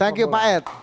thank you pak ed